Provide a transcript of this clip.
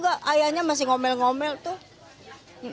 enggak ayahnya masih ngomel ngomel tuh